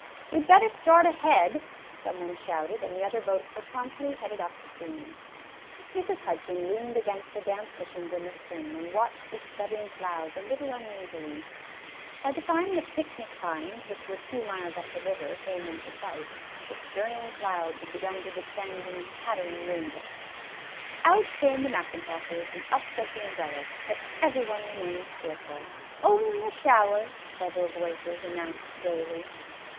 " We 'd better start ahead," some one shouted, and the other boats were promptly headed up stream. Mrs. Hudson leaned against the damp cushions in the stern and watched the scudding clouds a little uneasily. By the time that the " picnic pines, " which were two miles up the river, came into sight, the scurrying clouds had begun to descend in pat tering raindrops. Out came the mackintoshes and up went umbrellas, but every one remained cheerful. "Only a shower," several voices announced gaily.